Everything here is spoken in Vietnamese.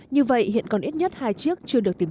như vậy hiện còn ít nhất hai chiếc chưa được tìm